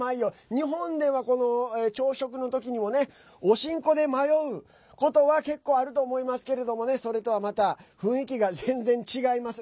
日本では、朝食のときにもおしんこで迷うことは結構あると思いますけれどもそれとは、また雰囲気が全然違います。